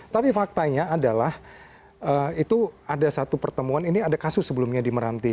tapi faktanya adalah itu ada satu pertemuan ini ada kasus sebelumnya di meranti